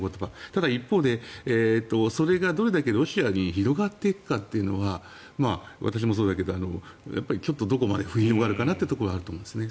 ただ一方でそれがどれだけロシアに広がっていくかっていうのは私もそうだけどちょっとどこまで広がるかなというところはあると思いますね。